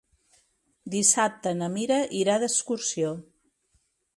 Dissabte na Mira irà d'excursió.